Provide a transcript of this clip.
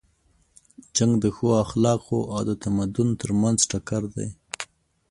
جنګ د ښو اخلاقو او د تمدن تر منځ ټکر دی.